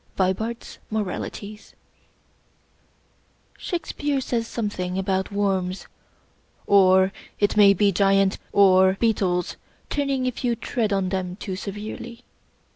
— Vibarfs Moralities, Shakespeare says something about worms, or it may be giants or beetles, turning if you tread on them too severely.